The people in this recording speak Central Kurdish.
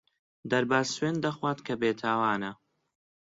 دەرباز سوێند دەخوات کە بێتاوانە.